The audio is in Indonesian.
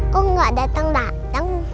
kok gak dateng dateng